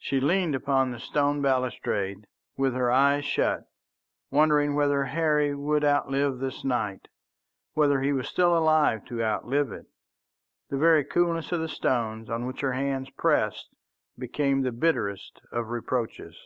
She leaned upon the stone balustrade with her eyes shut, wondering whether Harry would outlive this night, whether he was still alive to outlive it. The very coolness of the stones on which her hands pressed became the bitterest of reproaches.